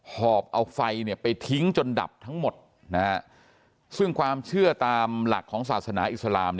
หอบเอาไฟไปทิ้งจนดับทั้งหมดซึ่งความเชื่อตามหลักของศาสนาอิสลาม